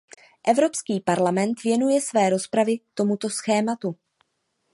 Evropský parlament věnuje své rozpravy tomuto tématu.